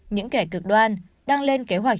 những kẻ cực đoan đang lên kế hoạch